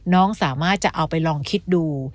น้องสามารถจะเอาไปลองคิดดู